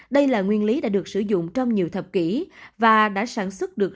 đây là nguyên lý đã được sử dụng trong nhiều thập kỷ và đã sản xuất được